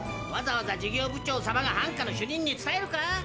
わざわざ事業部長様がハンカの主任に伝えるか？